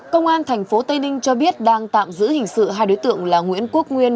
công an tp tây ninh cho biết đang tạm giữ hình sự hai đối tượng là nguyễn quốc nguyên